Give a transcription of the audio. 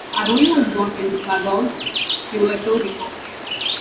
Arroyo was born in Caguas, Puerto Rico.